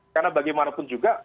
karena bagaimanapun juga